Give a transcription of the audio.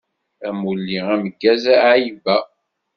Amulli ameggaz a Aiba!